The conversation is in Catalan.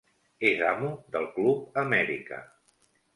És amo del Club Amèrica.